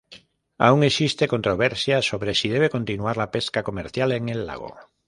Aun existe controversia sobre si debe continuar la pesca comercial en el lago.